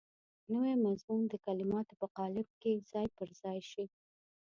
نوی مضمون د کلماتو په قالب کې ځای پر ځای شي.